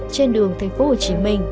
trên đường thành phố hồ chí minh